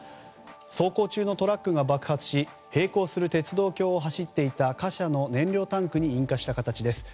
走行中のトラックが爆発し並行する鉄道橋を走っていた貨車の燃料タンクに引火した形です。